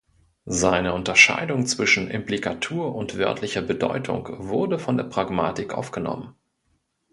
Seine Unterscheidung zwischen Implikatur und wörtlicher Bedeutung wurde von der Pragmatik aufgenommen.